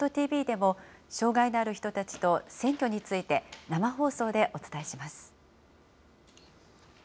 ＴＶでも、障害のある人たちと選挙について、生放送でお伝えします。